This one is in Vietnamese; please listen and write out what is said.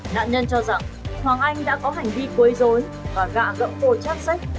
nạn nhân cho rằng hoàng anh đã có hành vi quấy rối và gạ gậm hồ chát sách